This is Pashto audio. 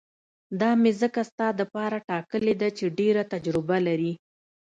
دا مې ځکه ستا دپاره ټاکلې ده چې ډېره تجربه لري.